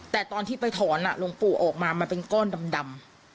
แต่ตอนที่ไปถอนหลวงปู่ออกมามันเป็นก้อนดำ